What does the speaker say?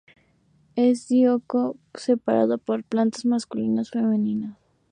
Es Dioico separado con plantas masculinas y femeninas.